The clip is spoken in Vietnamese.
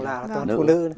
cầu nào toàn phụ nữ